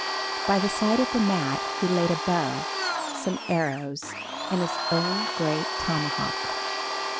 By the side of the mat he laid a bow, some arrows and his own great tomahawk.